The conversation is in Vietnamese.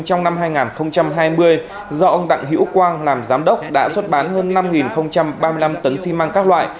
trong năm hai nghìn hai mươi do ông đặng hữu quang làm giám đốc đã xuất bán hơn năm ba mươi năm tấn xi măng các loại